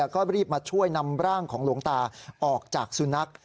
ก็รีบมาช่วยนำร่างของหลวงตาออกจากสุนัข